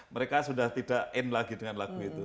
mereka sudah tidak in lagi dengan lagu itu